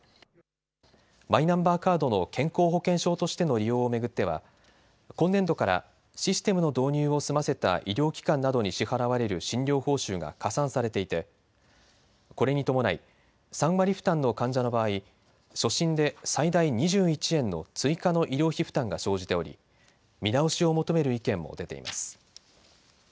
マイナンバーカードの健康保険証としての利用を巡っては今年度からシステムの導入を済ませた医療機関などに支払われる診療報酬が加算されていてこれに伴い３割負担の患者の場合、初診で最大２１円の追加の医療費負担が生じており見直しを求める意見も出ています。